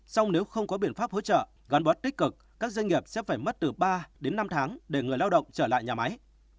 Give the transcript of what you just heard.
song nếu không có biện pháp hỗ trợ gắn bó tích cực các doanh nghiệp sẽ phải mất từ ba đến năm tháng để người lao động trở lại nhà máy